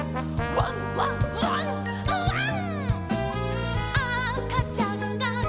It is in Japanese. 「ワンワンワンワン」